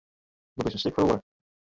Do bist in stik feroare.